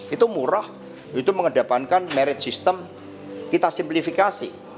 itu murah itu mengedepankan merit system kita simplifikasi